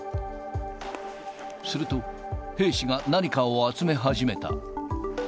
すると、兵士が何かを集め始めた。